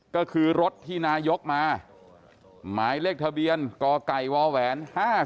ก็คือรถที่นายกมาหมายเลขทะเบียนกไก่วแหวน๕๙